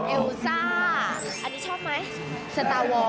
เอลซ่า